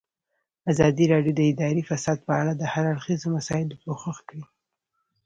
ازادي راډیو د اداري فساد په اړه د هر اړخیزو مسایلو پوښښ کړی.